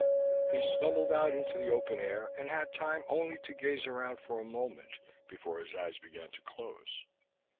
He stumbled out into the open air and had time only to gaze around for a moment before his eyes began to close.